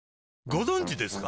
ご存知ですか？